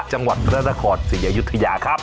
จังหวัดพระนครศรีอยุธยาครับ